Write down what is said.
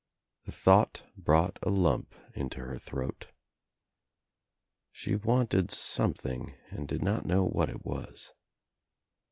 The thought brought a lump into her throat. She wanted some thing and did not know what it was.